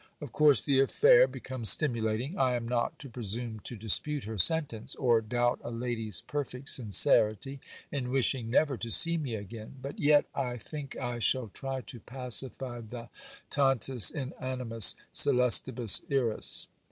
'Of course the affair becomes stimulating. I am not to presume to dispute her sentence, or doubt a lady's perfect sincerity in wishing never to see me again; but yet I think I shall try to pacify the "tantas in animis celestibus iras."